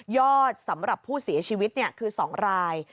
อดสำหรับผู้เสียชีวิตคือ๒ราย